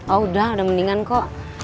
oh udah udah mendingan kok